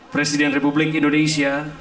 presiden republik indonesia